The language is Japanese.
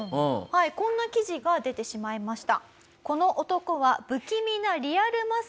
こんな記事が出てしまいました。